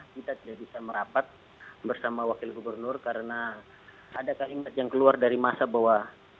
kita tidak bisa merapat bersama wakil gubernur karena ada kalimat yang keluar dari masa bahwa